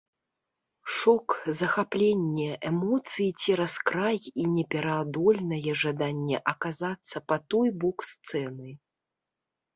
Шок, захапленне, эмоцыі цераз край і непераадольнае жаданне аказацца па той бок сцэны.